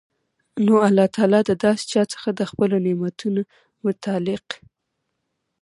نو الله تعالی د داسي چا څخه د خپلو نعمتونو متعلق